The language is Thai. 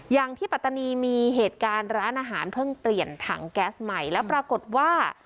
อย่างที่ปัตตานีมีเหตุการณ์ร้านอาหารเพิ่งเปลี่ยนถังแก๊สใหม่แล้วปรากฏว่า